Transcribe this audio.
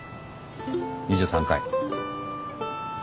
２３回。